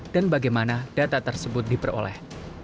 dan bagaimana data tersebut diperoleh